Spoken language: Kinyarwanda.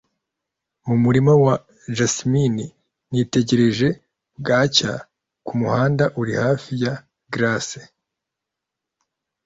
numurima wa jasimine nitegereje bwacya kumuhanda uri hafi ya grasse